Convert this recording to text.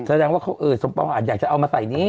แสดงว่าเขาสมปองอาจอยากจะเอามาใส่นี่